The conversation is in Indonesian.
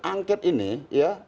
angket ini ya